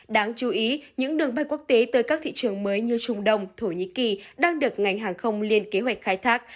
đáng chú ý những đường bay quốc tế tới các thị trường mới như trung đông thổ nhĩ kỳ đang được ngành hàng không liên kế hoạch khai thác